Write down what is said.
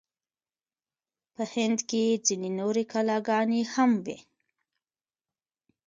په هند کې ځینې نورې کلاګانې هم وې.